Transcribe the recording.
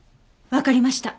わかりました。